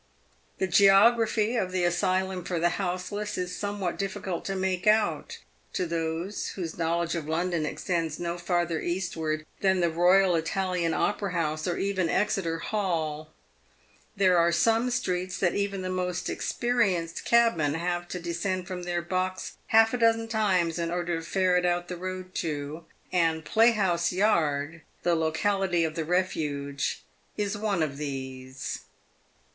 The geography of the asylum for the houseless is somewhat diffi cult to make out to those whose knowledge of London extends no 10 PAYED WITH GOLD. farther eastwards than the Boyal Italian Opera House, or even Exeter Hall. There are some streets that even the most experienced cabmen have to descend from their box half a dozen times, in order to ferret out the road to; and Playhouse yard — the locality of the refuge — is one of these.